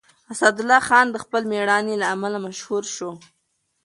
اسدالله خان د خپل مېړانې له امله مشهور شو.